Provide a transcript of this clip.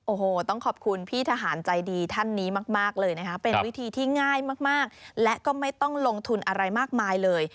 โอ้โหต้องขอบคุณพี่ทหารใจดีท่านนี้มากเลยนะคะเป็นวิธีที่ง่ายมากและก็ไม่ต้องลงทุนอะไรมากมายเลย